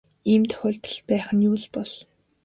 Ийм тохиолдол байх нь юу л бол.